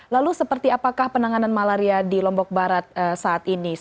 lalu seperti apakah penanganan malaria di lombok barat saat ini